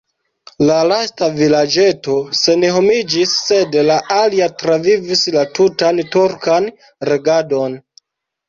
La lasta vilaĝeto senhomiĝis, sed la alia travivis la tutan turkan regadon.